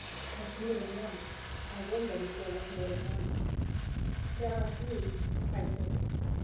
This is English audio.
" There's more than one ; I wondered if there was more than one." " There are three," I said.